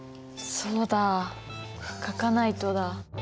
そうだ書かないとだ。